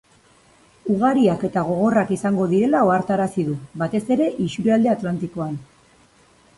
Ugariak eta gogorrak izango direla ohartarazi du, batez ere isurialde atlantikoan.